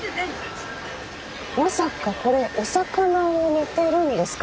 まさかこれお魚を煮てるんですか？